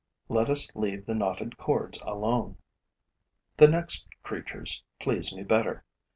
Let us leave the knotted cords alone. The next creatures please me better.